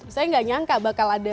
saya nggak nyangka bakal ada